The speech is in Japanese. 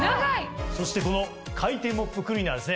そしてこの回転モップクリーナーはですね